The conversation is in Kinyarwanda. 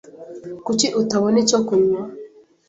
Kuki utabona icyo kunywa?